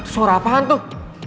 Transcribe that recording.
suara apaan tuh